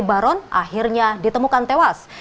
baron akhirnya ditemukan tewas